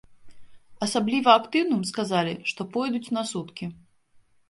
Асабліва актыўным сказалі, што пойдуць на суткі.